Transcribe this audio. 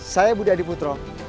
saya budi adiputro